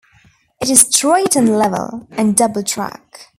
It is straight and level, and double track.